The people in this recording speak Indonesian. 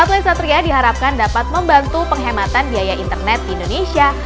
sateli satria diharapkan dapat membantu penghematan biaya internet di indonesia